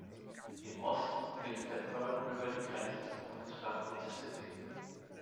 Im Osten bildet der Pearl River die Grenze zum Bundesstaat Mississippi.